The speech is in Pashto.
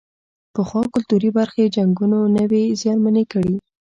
پخوا کلتوري برخې جنګونو نه وې زیانمنې کړې.